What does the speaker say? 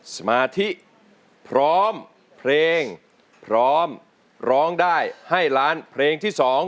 สมาธิพร้อมเพลงพร้อมร้องได้ให้ล้านเพลงที่๒